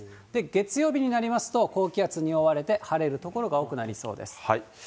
月曜日になりますと、高気圧に覆われて晴れる所が多くなりそうです。